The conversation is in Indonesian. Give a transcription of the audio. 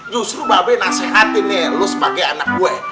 justru babe nasihatin nih lo sebagai anak gue